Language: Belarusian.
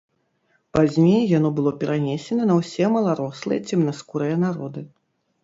Пазней яно было перанесена на ўсе маларослыя цемнаскурыя народы.